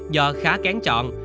do khá kén chọn